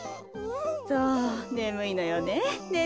そうねむいのよね。